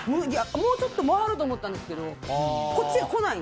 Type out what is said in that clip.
もうちょっと回ると思ったんですけどこっちに来ない。